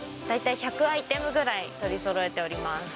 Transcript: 大体１００アイテムぐらい取りそろえております。